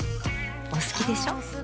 お好きでしょ。